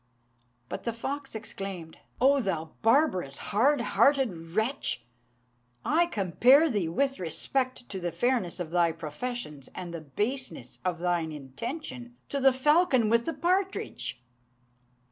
But the fox exclaimed, "O thou barbarous, hard hearted wretch! I compare thee, with respect to the fairness of thy professions and the baseness of thine intention, to the falcon with the partridge."